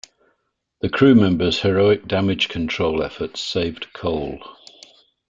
The crewmember's heroic damage control efforts saved "Cole".